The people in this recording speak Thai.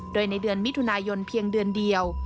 โดยในเดือนมิถุนายนเพียงเดือนเดียว